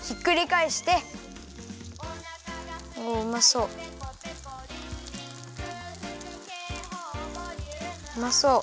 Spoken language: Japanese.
うまそう。